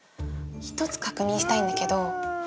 一つ確認したいんだけど。